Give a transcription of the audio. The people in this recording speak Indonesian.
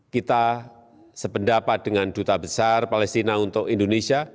kita sependapat dengan duta besar palestina untuk indonesia